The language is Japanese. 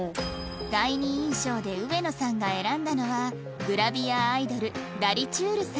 第二印象で植野さんが選んだのはグラビアアイドルダリちゅーるさん